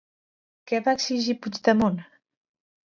Què va exigir Puigdemont?